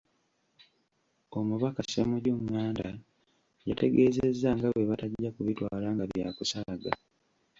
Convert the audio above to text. Omubaka Ssemujju Nganda yategeezezza nga bwe batajja kubitwala nga byakusaaga.